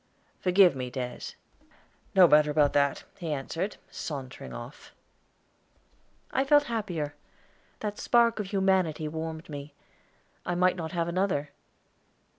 "Forgive me, Des." "No matter about that," he answered, sauntering off. I felt happier; that spark of humanity warmed me. I might not have another.